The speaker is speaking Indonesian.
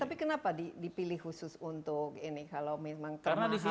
tapi kenapa dipilih khusus untuk ini kalau memang termahal dan pusat